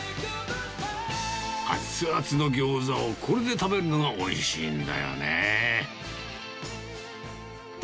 熱々のギョーザをこれで食べるのがおいしいんだよねー。